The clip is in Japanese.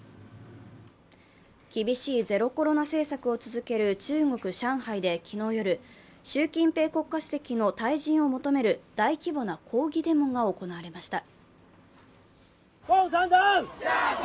厳しいゼロコロナ政策を続ける中国・上海で昨日夜、習近平国家主席の退陣を求める大規模な抗議デモが行われました。